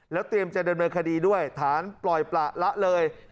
แล้วเตรียมเจนเดินเมือคดีด้วยฐานปล่อยประระเลย